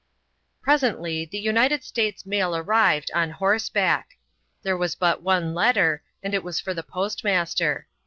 Presently the United States mail arrived, on horseback. There was but one letter, and it was for the postmaster.